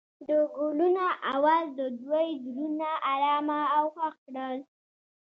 د ګلونه اواز د دوی زړونه ارامه او خوښ کړل.